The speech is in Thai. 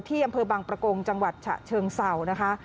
อำเภอบางประกงจังหวัดฉะเชิงเศร้านะคะ